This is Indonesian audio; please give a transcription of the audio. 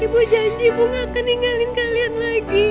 ibu janji bu gak akan ninggalin kalian lagi